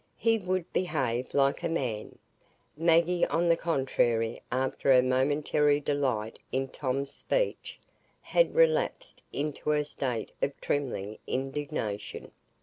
He would behave like a man. Maggie, on the contrary, after her momentary delight in Tom's speech, had relapsed into her state of trembling indignation.